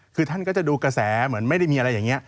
คือท่านก็จะดูกระแสเหมือนไม่ได้มีอะไรอย่างนี้